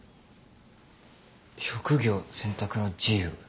職業選択の自由。